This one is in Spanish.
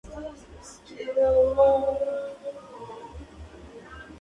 Era un año mayor que ella.